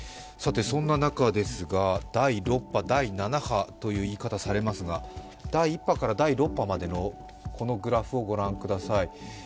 そんな中、第６波、第７波という言い方をされますが第１波から第６波までのグラフを御覧ください。